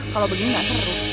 kalau begini gak terlalu